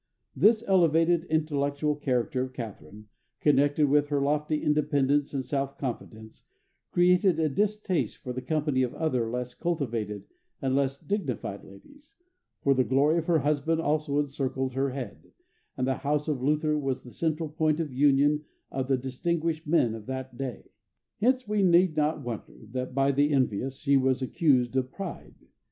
This elevated, intellectual character of Catharine, connected with her lofty independence and self confidence, created a distaste for the company of other less cultivated and less dignified ladies, for the glory of her husband also encircled her head, and the house of Luther was the central point of union of the distinguished men of that day. Hence we need not wonder that, by the envious, she was accused of pride.